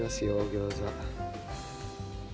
餃子。